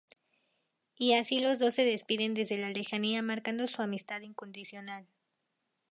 Y así los dos se despiden desde la lejanía marcando su amistad incondicional.